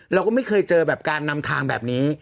เราก็ไม่เคยเจอแบบการนำทางแบบนี้